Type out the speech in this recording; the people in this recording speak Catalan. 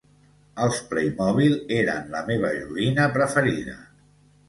Els Playmobil eren la meva joguina preferida.